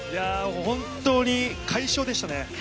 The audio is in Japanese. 本当に快勝でしたね。